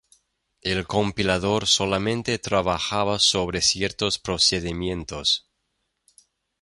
El compilador solamente trabajaba sobre ciertos procedimientos.